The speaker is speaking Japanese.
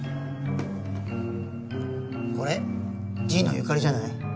これ神野由香里じゃない？